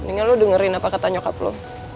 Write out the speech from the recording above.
tinggal lo dengerin apa kata nyokap lo